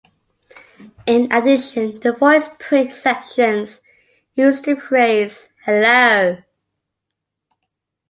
In addition, the voice print sections use the phrase Hello.